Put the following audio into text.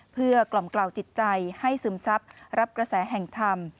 เพื่อกล่อมกล่าวจิตใจให้ซึมซับรับกระแสแห่งธรรม